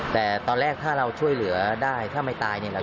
แต่ตอนแรกถ้าเราช่วยเหลือได้ถ้าไม่ตายเนี่ย